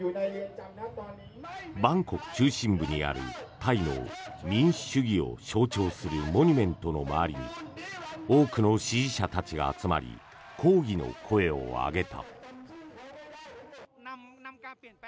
バンコク中心部にあるタイの民主主義を象徴するモニュメントの周りに多くの支持者たちが集まり抗議の声を上げた。